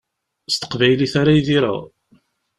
S teqbaylit ara idireɣ.